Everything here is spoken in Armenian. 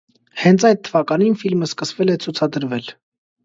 Հենց այդ թվականին ֆիլմը սկսվել է ցուցադրվել։